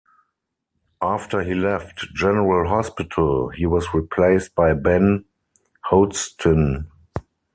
After he left, "General Hospital", he was replaced by Ben Hogestyn.